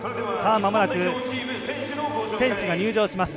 まもなく、選手が入場します。